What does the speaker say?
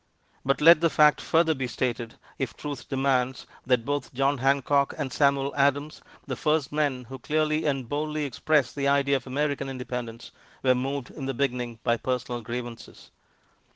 But let the fact further be stated, if truth demands, that both John Hancock and Samuel Adams, the first men who clearly and boldly expressed the idea of American Independence, were moved in the beginning by personal grievances.